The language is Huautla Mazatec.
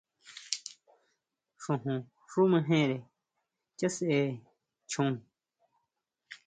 Xojón xú mejere chasjere chon.